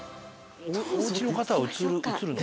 おうちの方は映るの？